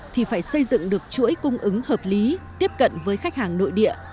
thì phải xây dựng được chuỗi cung ứng hợp lý tiếp cận với khách hàng nội địa